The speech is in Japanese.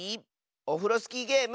オフロスキーゲーム